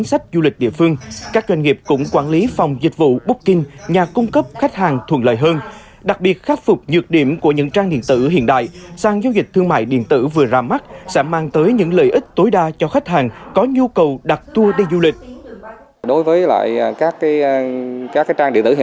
tập đoàn viễn thông quân đội việt theo ra mắt sản giao dịch thương mại điện tử kết hợp triển lãm ảo du lịch